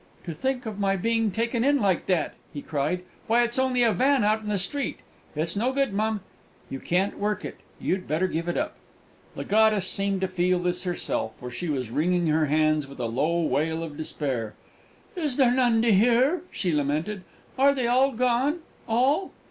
"To think of my being taken in like that!" he cried. "Why, it's only a van out in the street! It's no good, mum; you can't work it: you'd better give it up!" The goddess seemed to feel this herself, for she was wringing her hands with a low wail of despair. "Is there none to hear?" she lamented. "Are they all gone all?